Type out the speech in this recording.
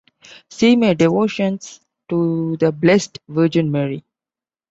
See May devotions to the Blessed Virgin Mary.